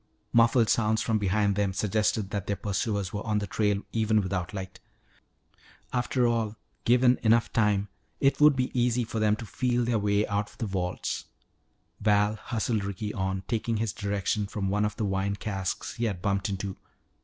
Muffled sounds from behind them suggested that their pursuers were on the trail even without light. After all, given time enough, it would be easy for them to feel their way out of the vaults. Val hustled Ricky on, taking his direction from one of the wine casks he had bumped into.